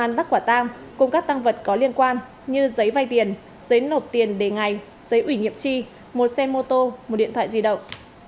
đạt khai thả và đòi tăng cùng các tăng vật có liên quan như giấy vay tiền giấy nộp tiền đề ngày giấy ủy nghiệp tri một xe mô tô một điện thoại di động